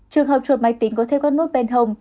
trường hợp chuột máy tính có thêm các nút bên hông